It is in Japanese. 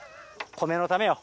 米のためよ。